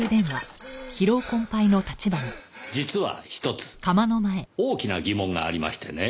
実はひとつ大きな疑問がありましてね。